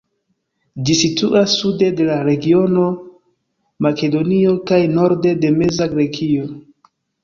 Ĝi situas sude de la regiono Makedonio kaj norde de Meza Grekio.